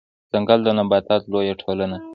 ځنګل د نباتاتو لويه ټولنه ده